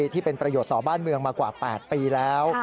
ที่เป็นประโยชน์ต่อบ้านเมืองมากว่า๘ปีแล้ว